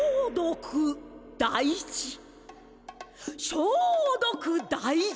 しょうどくだいじ！